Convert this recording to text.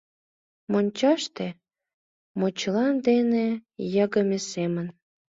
Мончаште мочыла дене йыгыме семын